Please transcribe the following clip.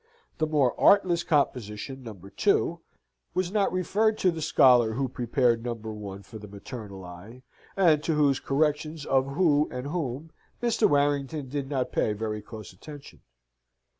The more artless composition, No. 2, was not referred to the scholar who prepared No. 1 for the maternal eye, and to whose corrections of "who" and "whom" Mr. Warrington did not pay very close attention.